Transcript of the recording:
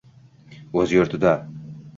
O’z yurtida